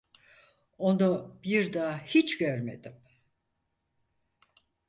Onu bir daha hiç görmedim.